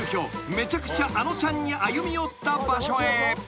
めちゃくちゃあのちゃんに歩み寄った場所へ］